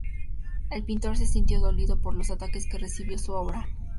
El pintor se sintió dolido por los ataques que recibió su obra.